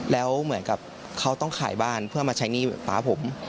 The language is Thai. แล้วเหมือนกับเขาต้องขายบ้านเพื่อมาใช้หนี้ไฟฟ้าผม